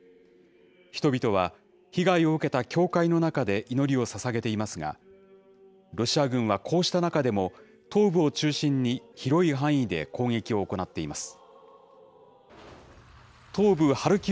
人々は、被害を受けた教会の中で祈りをささげていますが、ロシア軍はこうした中でも、東部を中心に、広い範囲で攻撃を行っています。